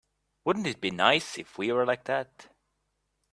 Wouldn't it be nice if we were like that?